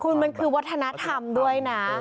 คุณมันคือวัฒนธรรมด้วยนะ